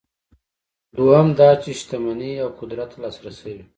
دویم دا چې شتمنۍ او قدرت ته لاسرسی وي.